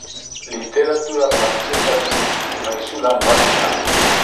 Literatura frantsesaren maisulan bat da.